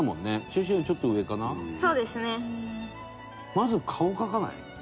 まず顔描かない？